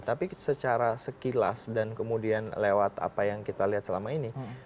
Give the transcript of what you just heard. tapi secara sekilas dan kemudian lewat apa yang kita lihat selama ini